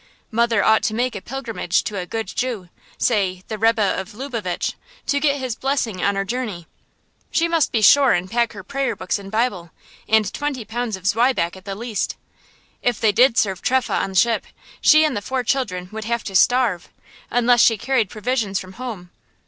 Mother ought to make a pilgrimage to a "Good Jew" say, the Rebbe of Lubavitch to get his blessing on our journey. She must be sure and pack her prayer books and Bible, and twenty pounds of zwieback at the least. If they did serve trefah on the ship, she and the four children would have to starve, unless she carried provisions from home.